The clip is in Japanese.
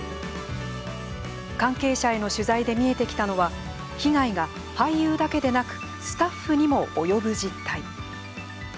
関係者への取材で見えてきたのは被害が俳優だけでなくスタッフにも及ぶ実態。